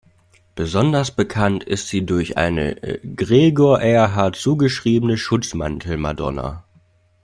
Besonders bekannt ist sie durch eine Gregor Erhart zugeschriebene Schutzmantelmadonna.